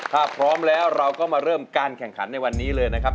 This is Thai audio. ถ้าพร้อมแล้วเราก็มาเริ่มการแข่งขันในวันนี้เลยนะครับ